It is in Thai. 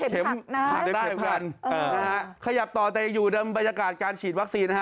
เข็มผักนะขยับต่อแต่อยู่ในบรรยากาศการฉีดวัคซีน